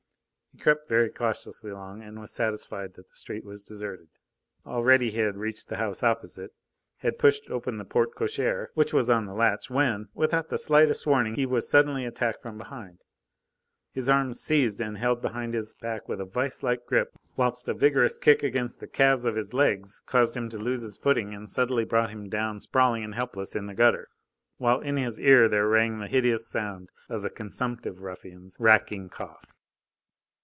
He crept very cautiously along; was satisfied that the street was deserted. Already he had reached the house opposite, had pushed open the porte cochere, which was on the latch when, without the slightest warning, he was suddenly attacked from behind, his arms seized and held behind his back with a vice like grip, whilst a vigorous kick against the calves of his legs caused him to lose his footing and suddenly brought him down, sprawling and helpless, in the gutter, while in his ear there rang the hideous sound of the consumptive ruffian's racking cough.